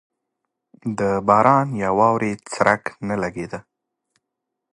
د باران یا واورې څرک نه لګېده.